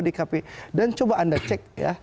dkp dan coba anda cek ya